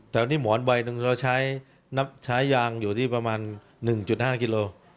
แต่วันนี้หมอนใบหนึ่งเราใช้ยางอยู่ที่ประมาณ๑๕กิโล